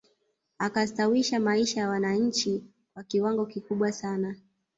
Akastawisha maisha ya wananchi kwa kiwango kikubwa sana